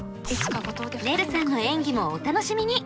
ねるさんの演技もお楽しみに！